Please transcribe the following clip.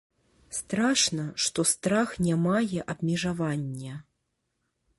Страшна, што страх не мае абмежавання.